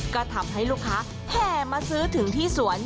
ก็ทำให้ลูกค้าแห่มาซื้อถึงที่สวน